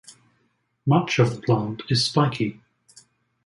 Much of the plant is spiky.